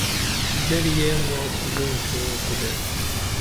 ژریے ماس ژون شروع کُرے